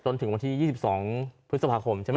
จนถึงวันที่๒๒พฤษภาคมใช่ไหม